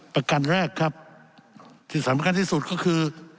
ประกันแรกครับที่สำคัญที่สุดก็คือ